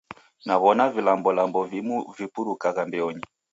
Naw'ona vilambolambo vimu vipurukagha mbeonyi.